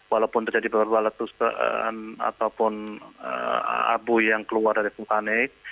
walaupun terjadi perbalatan atau abu yang keluar dari vulkanik